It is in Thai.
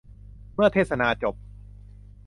เมื่อเทศนาจบ